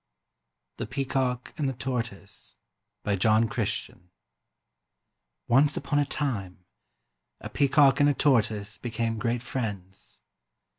THE PEACOCK AND THE TORTOISE BY JOHN CHRISTIAN Once upon a time a peacock and a tortoise became great friends.